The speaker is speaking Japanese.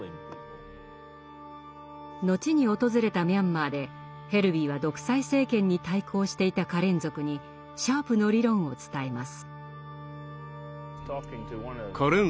後に訪れたミャンマーでヘルヴィーは独裁政権に対抗していたカレン族にシャープの理論を伝えます。